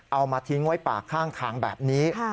เอามาทิ้งไว้ป่าข้างทางแบบนี้